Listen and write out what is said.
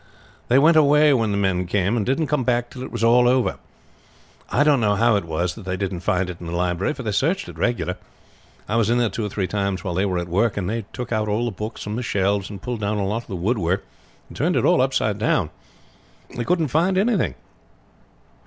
They went away when the men came and didn't come back till it was all over. I don't know how it was that they didn't find it in the library, for they searched it regular. I was in there two or three times while they were at work, and they took out all the books from the shelves and pulled down a lot of the wood work and turned it all upside down, but they couldn't find anything.